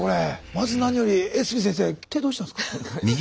まず何より江角先生手どうしたんですか？